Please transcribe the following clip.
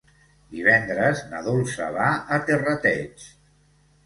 Divendres na Dolça va a Terrateig.